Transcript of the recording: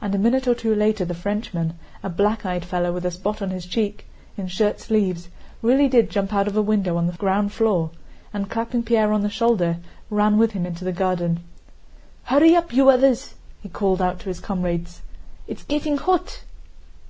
And a minute or two later the Frenchman, a black eyed fellow with a spot on his cheek, in shirt sleeves, really did jump out of a window on the ground floor, and clapping Pierre on the shoulder ran with him into the garden. "Hurry up, you others!" he called out to his comrades. "It's getting hot."